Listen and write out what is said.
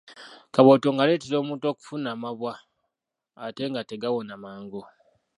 Kabootongo aleetera omuntu okufuna amabwa ate nga tegawona mangu.